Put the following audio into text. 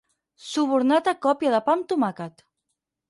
Subornat a còpia de pa amb tomàquet.